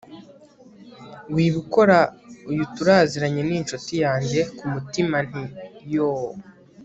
wibikora uyu turaziranye ni inshuti yanjye! kumutima nti yoooooh